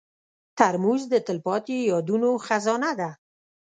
ترموز د تلپاتې یادونو خزانه ده.